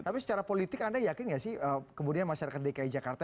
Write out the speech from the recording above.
tapi secara politik anda yakin nggak sih kemudian masyarakat dki jakarta